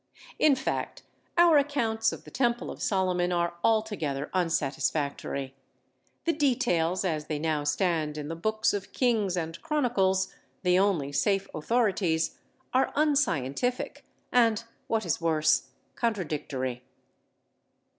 In fact our accounts of the Temple of Solomon are altogether unsatisfactory. The details, as they now stand in the books of Kings and Chronicles, the only safe authorities, are unscientific, and, what is worse, contradictory.